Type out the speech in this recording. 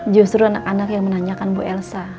justru anak anak yang menanyakan bu elsa